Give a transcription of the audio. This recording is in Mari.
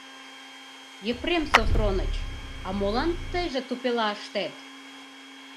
— Епрем Софроныч, а молан тыйже тупела ыштет?!